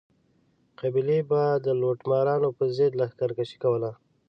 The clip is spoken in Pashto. قبیلې به د لوټمارانو پر ضد لښکر کشي کوله.